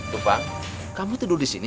tufa kamu tidur disini